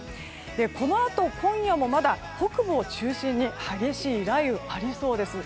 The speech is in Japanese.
このあと今夜も北部を中心に激しい雷雨がありそうです。